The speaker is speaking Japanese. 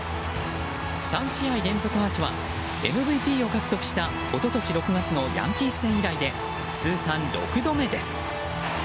３試合連続アーチはＭＶＰを獲得した一昨年６月のヤンキース戦以来で通算６度目です。